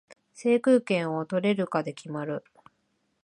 制空権を取れるかで決まる